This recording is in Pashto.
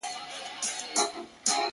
چي كورنۍ يې ـ